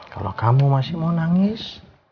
kalau kamu masih mau nangis